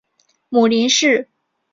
母林氏。